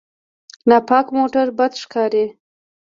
ناپاک موټر بد ښکاري.